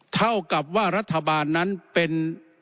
เท่ากับว่ารัฐบาลนั้นเป็น